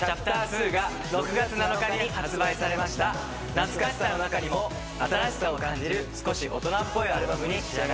懐かしさの中にも新しさを感じる少し大人っぽいアルバムに仕上がっています。